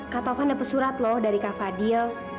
kak taufan dapat surat loh dari kak fadil